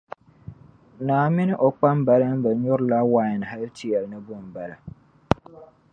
Naa mini o kpambaliba nyurila wain hal ti yɛli ni bo m-bala.